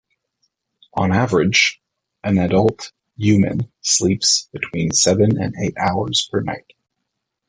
On average, an adult human sleeps between seven and eight hours per night.